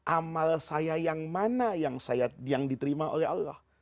amal saya yang mana yang diterima oleh allah